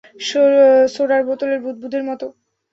সোডার বোতলের বুদবুদের মতো!